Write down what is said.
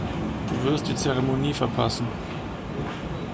Du wirst die Zeremonie verpassen.